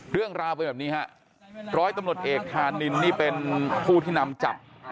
เรื่องราวเป็นแบบนี้ฮะร้อยตำรวจเอกธานินนี่เป็นผู้ที่นำจับ